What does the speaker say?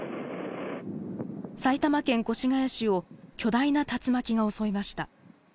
埼玉県越谷市を巨大な竜巻が襲いました。